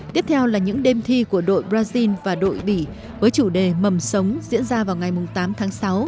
tiếp theo là những đêm thi của đội brazil và đội bỉ với chủ đề mầm sống diễn ra vào ngày tám tháng sáu